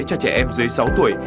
cho trẻ em dưới sáu tuổi